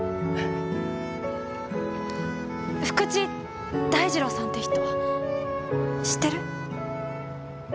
福地大二郎さんって人知ってる？